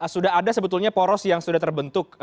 sudah ada sebetulnya poros yang sudah terbentuk